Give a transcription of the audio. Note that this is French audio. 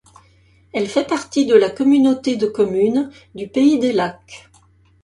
Elle fait partie de la Communauté de communes du Pays des lacs.